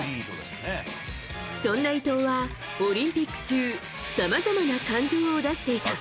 そんな伊藤は、オリンピック中さまざまな感情を出していた。